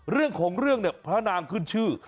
เรื่องของเรื่องเนี่ยพระนางขึ้นชื่อ